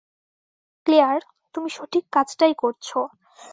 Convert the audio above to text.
Claire, তুমি সঠিক কাজটাই করছো।